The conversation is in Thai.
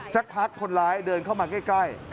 สักพักคนร้ายเดินเข้ามาใกล้